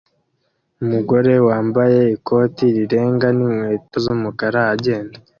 Umugore wambaye ikote rirenga n'inkweto z'umukara agenda